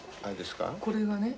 これがね